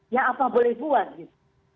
ya apa boleh buat gitu